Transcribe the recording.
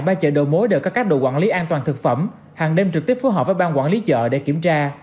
tại ba chợ đầu mối đều có các độ quản lý an toàn thực phẩm hàng đêm trực tiếp phù hợp với ban quản lý chợ để kiểm tra